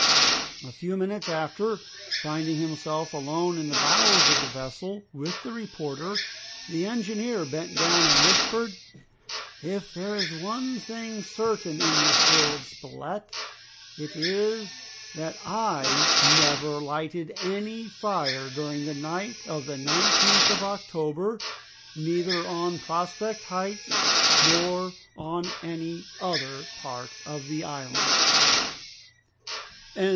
A few minutes after, finding himself alone in the bows of the vessel, with the reporter, the engineer bent down and whispered, "If there is one thing certain in this world, Spilett, it is that I never lighted any fire during the night of the 19th of October, neither on Prospect Heights nor on any other part of the island!"